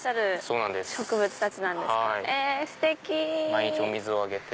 毎日お水をあげて。